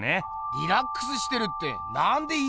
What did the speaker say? リラックスしてるってなんで言い切れんだよ。